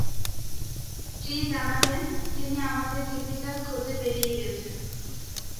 স্ত্রী জানালেন, তিনি আমাদের জীবিকার খোঁজে বেরিয়ে গেছেন।